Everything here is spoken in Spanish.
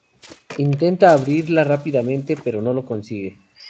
Intenta abrirla repetidamente, pero no lo consigue.